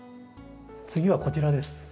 次はこちらです。